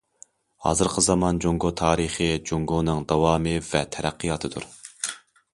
ھازىرقى زامان جۇڭگو تارىخىي جۇڭگونىڭ داۋامى ۋە تەرەققىياتىدۇر.